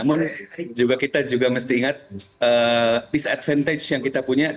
mas aoun kita juga mesti ingat disadvantage yang kita punya